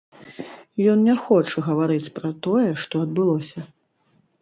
Ён не хоча гаварыць пра тое, што адбылося.